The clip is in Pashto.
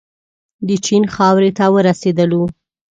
د چین خاورې ته ورسېدلو.